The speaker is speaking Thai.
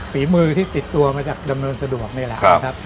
ฝีมือที่ติดตัวมาจากดำเนินสะดวกนี่แหละนะครับ